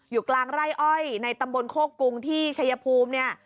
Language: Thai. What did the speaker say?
อยู่กลางไร่อ้อยในตำบลโคกรุงที่ชัยภูมิเนี่ย